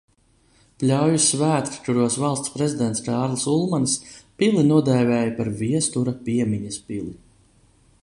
Pļaujas svētki, kuros Valsts prezidents Kārlis Ulmanis pili nodēvēja par Viestura piemiņas pili.